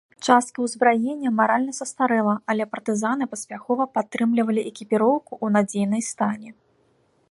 Частка ўзбраення маральна састарэла, але партызаны паспяхова падтрымлівалі экіпіроўку ў надзейнай стане.